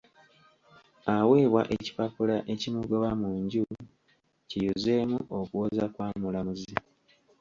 Aweebwa ekipapula ekimugoba mu nju kiyuzeemu okuwoza kwa mulamuzi.